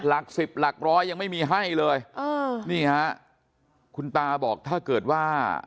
หลักสิบหลักร้อยยังไม่มีให้เลยเออนี่ฮะคุณตาบอกถ้าเกิดว่า